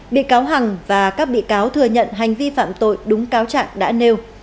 bị cáo hằng và các bị cáo thừa nhận hành vi phạm tội đúng cáo trạng đã nêu